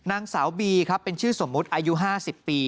นางสาวบีครับเป็นชื่อสมมุติอายุ๕๐ปี